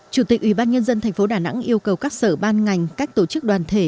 chủ tịch ubnd tp đà nẵng yêu cầu các sở ban ngành các tổ chức đoàn thể